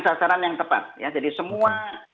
sasaran yang tepat ya jadi semua